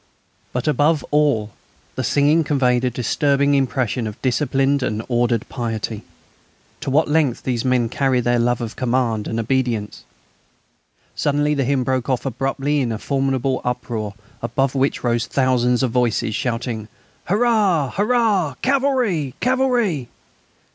But, above all, the singing conveyed a disturbing impression of disciplined and ordered piety. To what lengths these men carry their love of command and obedience! Suddenly the hymn broke off abruptly in a formidable uproar, above which rose thousands of voices shouting: "Hurrah! Hurrah! Cavalry! Cavalry!"